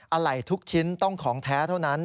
อะไรทุกชิ้นต้องของแท้เท่านั้น